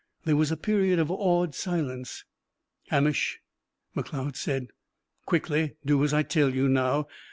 There was a period of awed silence. "Hamish," Macleod said, quickly, "do as I tell you now!